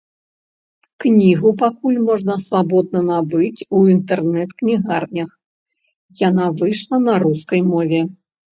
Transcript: Кнігу пакуль можна свабодна набыць у інтэрнэт-кнігарнях, яна выйшла на рускай мове.